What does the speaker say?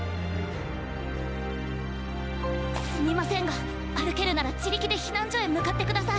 すみませんが歩けるなら自力で避難所へ向かってください。